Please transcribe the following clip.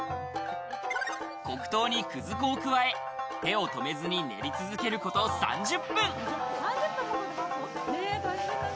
黒糖に葛粉を加え、手を止めずに練り続けること３０分。